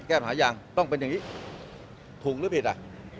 แก้ปัญหายังต้องเป็นอย่างนี้ถูกหรือผิดอ่ะ